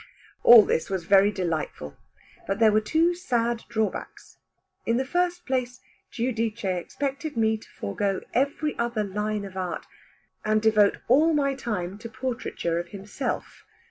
All this was very delightful. But there were two sad drawbacks. In the first place, Giudice expected me to forego every other line of art, and devote all my time to portraiture of himself.